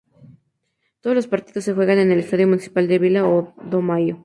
Todos los partidos se juegan en el estadio municipal de la Vila do Maio.